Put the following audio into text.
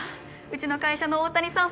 うちの会社の大谷さん